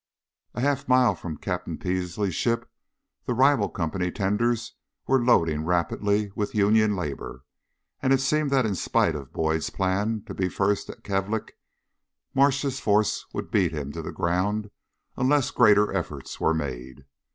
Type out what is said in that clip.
A half mile from Captain Peasley's ship, the rival Company tenders were loading rapidly with union labor, and it seemed that in spite of Boyd's plan to be first at Kalvik, Marsh's force would beat him to the ground unless greater efforts were made.